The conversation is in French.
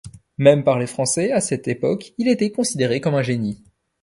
Même par les Français à cette époque il était considéré comme un génie.